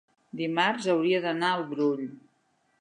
dimarts hauria d'anar al Brull.